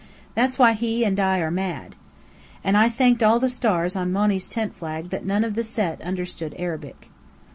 That's why he and I are mad." And I thanked all the stars on Monny's tent flag that none of the Set understood Arabic.